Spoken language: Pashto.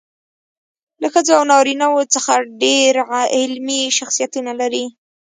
له ښځو او نارینه وو څخه ډېر علمي شخصیتونه لري.